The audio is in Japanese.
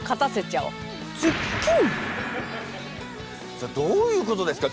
さあどういうことですか？